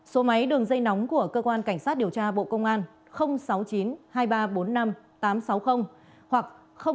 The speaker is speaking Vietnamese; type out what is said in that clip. số máy đường dây nóng của cơ quan cảnh sát điều tra bộ công an sáu mươi chín hai nghìn ba trăm bốn mươi năm tám trăm sáu mươi hoặc sáu mươi chín hai trăm ba mươi hai một nghìn sáu trăm bảy